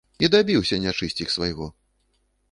І дабіўся, нячысцік, свайго.